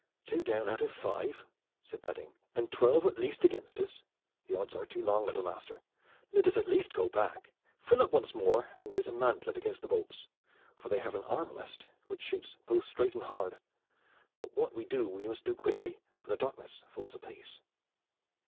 "Two down out of five," said Badding, "and twelve at the least against us. The odds are too long, little master. Let us at least go back, fill up once more, and raise a mantelet against the bolts, for they have an arbalist which shoots both straight and hard. But what we do we must do quickly, for the darkness falls apace."